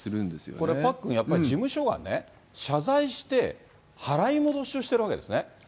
これ、パックン、やっぱり事務所がね、謝罪して、払い戻しをしてるわけですね。